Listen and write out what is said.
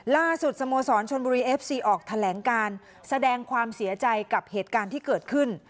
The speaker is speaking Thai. สโมสรชนบุรีเอฟซีออกแถลงการแสดงความเสียใจกับเหตุการณ์ที่เกิดขึ้น